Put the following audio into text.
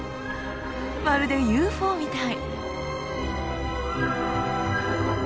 まるでＵＦＯみたい！